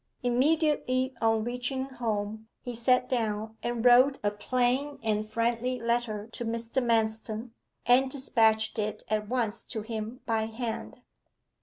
Immediately on reaching home, he sat down and wrote a plain and friendly letter to Mr. Manston, and despatched it at once to him by hand.